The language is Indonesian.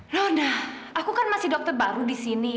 luna aku kan masih dokter baru disini